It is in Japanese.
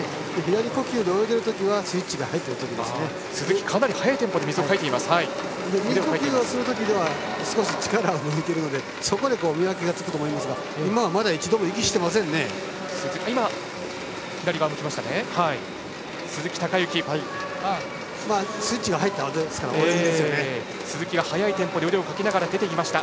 右呼吸をするときは少し力を抜いているのでそこで見分けがつくと思いますがまだ一度も息をしてませんでした。